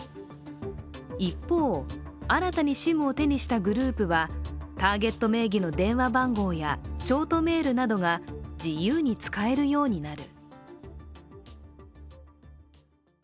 一方、新たにＳＩＭを手にしたグループはターゲット名義の電話番号やショートメールなどが自由に使えるようになる。